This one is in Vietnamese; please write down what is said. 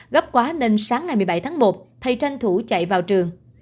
gấp quá nên sáng ngày một mươi bảy tháng một thầy tranh thủ chạy vào trường